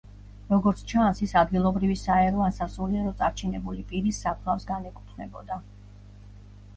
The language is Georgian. როგორც ჩანს, ის ადგილობრივი საერო ან სასულიერო წარჩინებული პირის საფლავს განეკუთვნებოდა.